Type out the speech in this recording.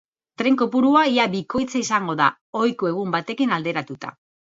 Tren kopurua ia bikoitza izango da, ohiko egun batekin alderatuta.